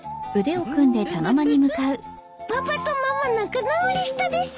パパとママ仲直りしたです。